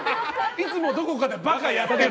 いつもどこかで馬鹿やってる。